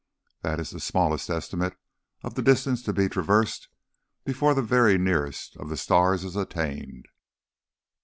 That is the smallest estimate of the distance to be traversed before the very nearest of the stars is attained.